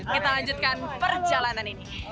kita lanjutkan perjalanan ini